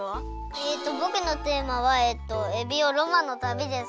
えっとぼくのテーマはエビオロマンのたびです。